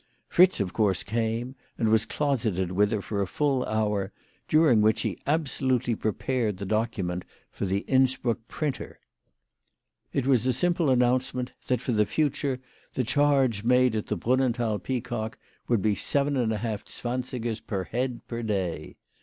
Fritz of course came, and was closeted with her for a full hour, during which he absolutely prepared the document for the Innsbruck printer. It was a simple announcement that for the future the charge made at the Brunnenthal Peacock WHY FRAU FROHMANN RAISED HER PRICES. 91 would be seven and a half zwansigers per Lead per day.